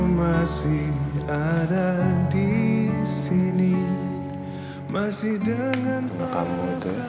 masih ada di sini masih dengan kamu